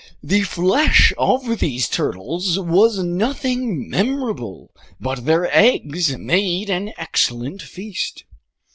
The flesh of these turtles was nothing memorable, but their eggs made an excellent feast.